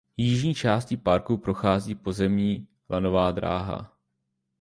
Jižní částí parku prochází pozemní lanová dráha.